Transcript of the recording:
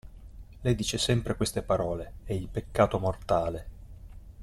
Lei dice sempre queste parole: è il peccato mortale.